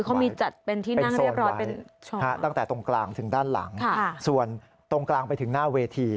เขามีจัดเป็นที่นั่งเรียบร้อยตั้งแต่ตรงกลางถึงด้านหลังส่วนตรงกลางไปถึงหน้าเวที